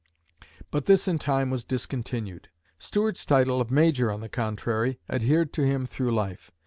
But this in time was discontinued. Stuart's title of "Major," on the contrary, adhered to him through life.